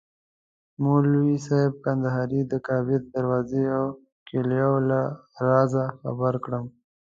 مولوي صاحب کندهاري د کعبې د دروازې او کیلیو له رازه خبر کړم.